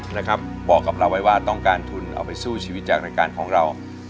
นะครับบอกกับเราไว้ว่าต้องการทุนเอาไปสู้ชีวิตจากรายการของเรา